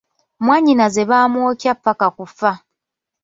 Mwanyinaze baamwokya paka kufa.